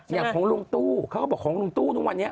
อย่างของลุงตู้เขาก็บอกของลุงตู้ทุกวันนี้